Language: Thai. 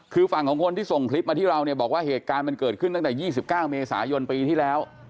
คือฝั่งของคนที่ส่งคลิปมาที่เราเนี่ยบอกว่าเหตุการณ์มันเกิดขึ้นตั้งแต่๒๙เมษายนปีที่แล้ว